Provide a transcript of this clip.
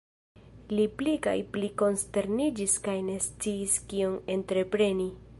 Li pli kaj pli konsterniĝis kaj ne sciis kion entrepreni.